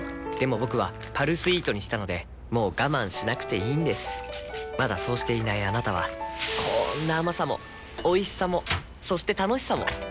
僕は「パルスイート」にしたのでもう我慢しなくていいんですまだそうしていないあなたはこんな甘さもおいしさもそして楽しさもあちっ。